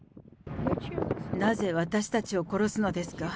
なぜ私たちを殺すのですか？